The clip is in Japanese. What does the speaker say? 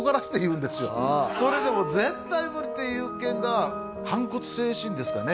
それでもう絶対無理って言うけんが反骨精神ですかね。